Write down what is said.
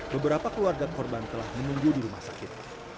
beberapa keluarga korban telah menunggu di rumah sakit